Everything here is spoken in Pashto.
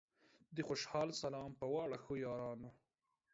د خوشال سلام پۀ واړه ښو یارانو